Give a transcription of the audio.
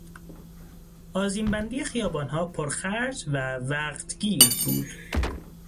آذینبندی خیابانها پرخرج و وقتگیر بود.